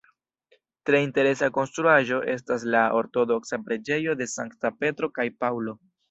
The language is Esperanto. Tre interesa konstruaĵo estas la Ortodoksa preĝejo de Sankta Petro kaj Paŭlo.